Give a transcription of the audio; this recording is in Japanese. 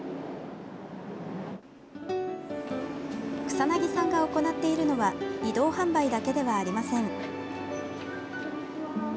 草薙さんが行っているのは移動販売だけではありません。